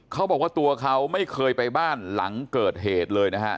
เขาบอกว่าตัวเขาไม่เคยไปบ้านหลังเกิดเหตุเลยนะฮะ